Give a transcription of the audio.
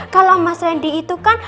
kalau mas hendy itu kan